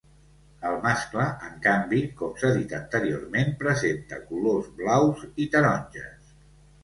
El mascle, en canvi, com s'ha dit anteriorment presenta colors blaus i taronges.